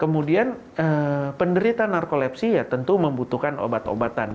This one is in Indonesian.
kemudian penderitaan narkolepsi ya tentu membutuhkan obat obatan